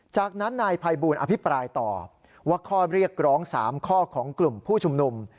จากนั้นนายภัยบูลอภิปรายต่อว่าข้อเรียกร้อง๓ข้อของกลุ่มผู้ชุมนุม